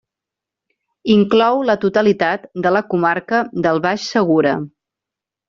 Inclou la totalitat de la comarca del Baix Segura.